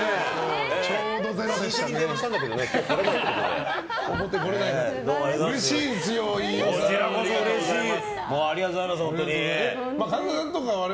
ちょうどゼロでしたね。